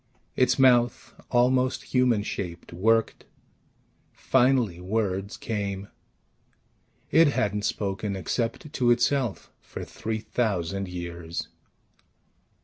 Its mouth, almost human shaped, worked; finally words came. It hadn't spoken, except to itself, for three thousand years.